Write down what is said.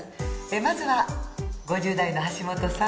まずは５０代の橋本さん。